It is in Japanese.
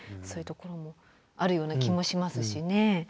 そういうところもあるような気もしますしね。